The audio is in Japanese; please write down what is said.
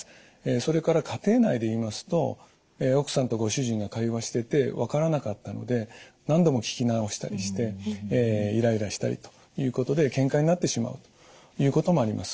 それから家庭内で言いますと奥さんとご主人が会話してて分からなかったので何度も聞き直したりしてイライラしたりということでけんかになってしまうということもあります。